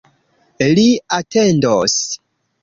Li atendos.